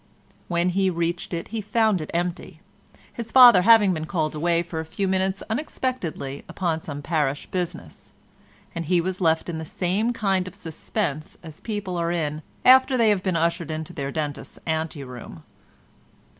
When he reached it he found it empty—his father having been called away for a few minutes unexpectedly upon some parish business—and he was left in the same kind of suspense as people are in after they have been ushered into their dentist's ante room.